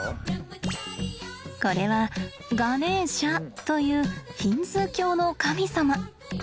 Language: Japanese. これはガネーシャというヒンズー教の神様。